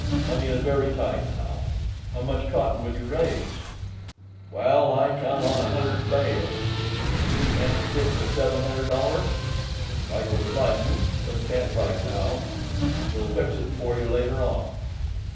Money is very tight now. How much cotton will you raise?" "Well, I count on a hundr'd bales. An' you can't git the sev'n hundr'd dollars?" "Like to oblige you, but can't right now; will fix it for you later on."